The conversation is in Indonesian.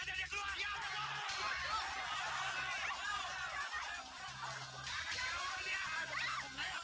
tidak usah tidak saya akan menjagamu